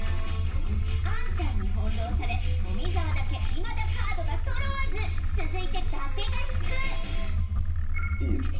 杏さんに翻弄され富澤だけいまだカードが揃わず続いて伊達が引くいいですか？